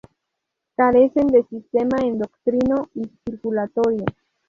Carecen de sistema endocrino y circulatorio.